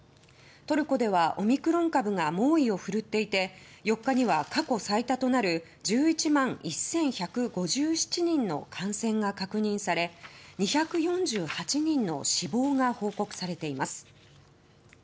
トルコではオミクロン株が猛威を振るっていて４日には過去最多となる１１万１１５７人の感染が確認され２４８人の死亡が報告されています。